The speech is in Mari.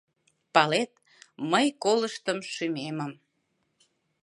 Палет, мый колыштым шÿмемым –